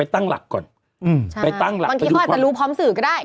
พี่โมดรู้สึกไหมพี่โมดรู้สึกไหมพี่โมดรู้สึกไหมพี่โมดรู้สึกไหม